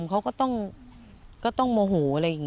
ไม่อยากให้มองแบบนั้นจบดราม่าสักทีได้ไหม